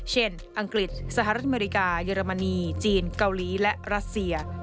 อังกฤษสหรัฐอเมริกาเยอรมนีจีนเกาหลีและรัสเซีย